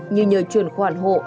như nhờ truyền khoản hộ